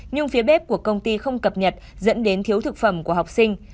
nhưng phía bếp của công ty không cập nhật dẫn đến thiếu thực phẩm của học sinh